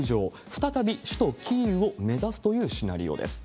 再び首都キーウを目指すというシナリオです。